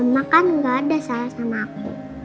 ma kan gak ada salah sama aku